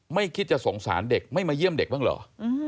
ไม่คิดจะสงสารเด็กไม่มาเยี่ยมเด็กบ้างเหรอ